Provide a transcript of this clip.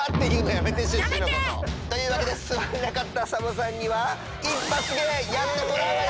やめて！というわけですわれなかったサボさんには一発芸やってもらうわよ！